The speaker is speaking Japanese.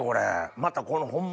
またこのホンマ